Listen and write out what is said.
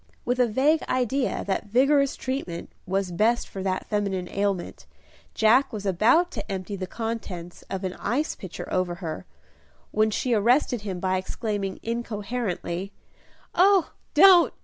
With a vague idea that vigorous treatment was best for that feminine ailment, Jack was about to empty the contents of an ice pitcher over her, when she arrested him, by exclaiming, incoherently, "Oh, don't!